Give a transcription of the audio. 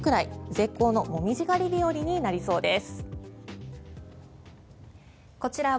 絶好のモミジ狩り日和になりそうです。